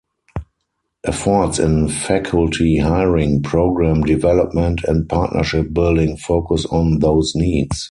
Efforts in faculty hiring, program development and partnership building focus on those needs.